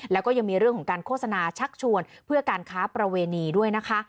แล้วก็ยังมีเรื่องของการโฆษณาชักชวนเพื่อการค้าประเวณีด้วยนะคะ